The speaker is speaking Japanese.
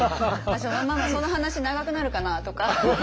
「ママその話長くなるかな？」とか。